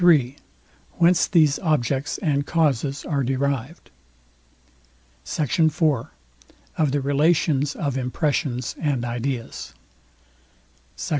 III WHENCE THESE OBJECTS AND CAUSES ARE DERIVED SECT. IV OF THE RELATIONS OF IMPRESSIONS AND IDEAS SECT.